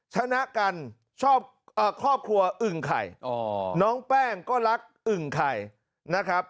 ชนะกันชอบครอบครัวอึ่งไข่น้องแป้งก็รักอึ่งไข่นะครับ